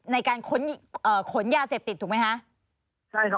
ในการขนยาเสพติดถูกมั้ยฮะ